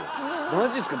マジっすか。